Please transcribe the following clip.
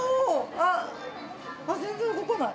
あっ全然動かない。